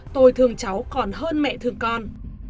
tôi thương cháu còn hơn mẹ thương con